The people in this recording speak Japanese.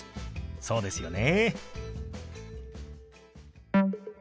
そうですよね。